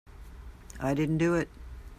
I didn't do it.